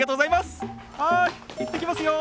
はい行ってきますよ。